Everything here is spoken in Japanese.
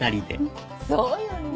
そうよね。